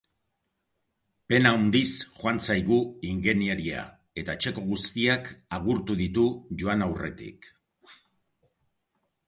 Pena handiz joan zaigu ingeniaria, eta etxeko guztiak agurtu ditu joan aurretik.